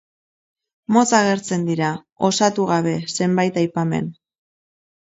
Motz agertzen dira, osatu gabe, zenbait aipamen.